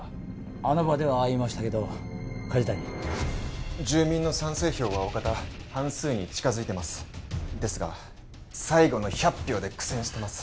あの場ではああ言いましたけど梶谷住民の賛成票はおおかた半数に近づいてますですが最後の１００票で苦戦してます